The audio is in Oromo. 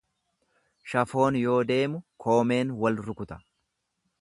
Shafoon yoo deemu koomeen wal rukuta